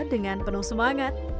dengan penuh semangat